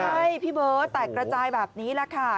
ใช่พี่เบิร์ตแตกระจายแบบนี้แหละค่ะ